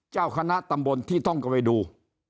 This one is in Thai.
เจ้าคณะตำบลที่ท่องก็ไปดู